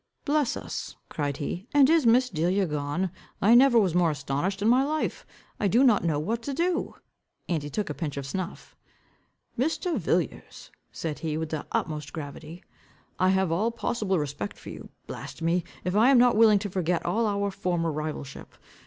"Bless us," cried he, "and is Miss Delia gone? I never was more astonished in my life. I do not know what to do," and he took a pinch of snuff. "Mr. Villiers," said he, with the utmost gravity, "I have all possible respect for you. Blast me! if I am not willing to forget all our former rivalship.